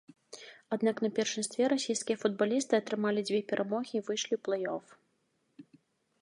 Аднак на першынстве расійскія футбалісты атрымалі дзве перамогі і выйшлі ў плэй-оф.